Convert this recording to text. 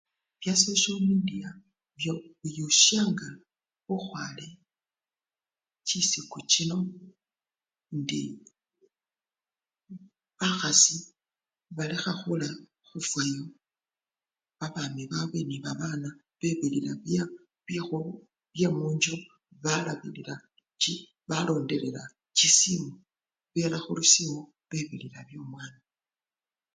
Bya soshyo midiya biyushanga bukhwale chisiku chino ndi bakhasi balekha khula khufwayo babami babwe nebabana bebilila bye munju balabilila-balondelela chisiimu, bela khulusiimu bebilila byomwana.